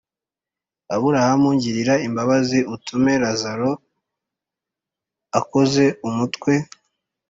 Aburahamu ngirira imbabazi utume Lazaro akoze umutwe